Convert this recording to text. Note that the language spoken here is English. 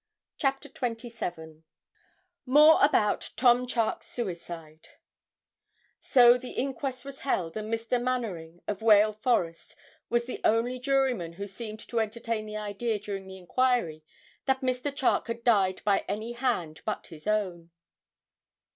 CHAPTER XXVII MORE ABOUT TOM CHARKE'S SUICIDE So the inquest was held, and Mr. Manwaring, of Wail Forest, was the only juryman who seemed to entertain the idea during the inquiry that Mr. Charke had died by any hand but his own.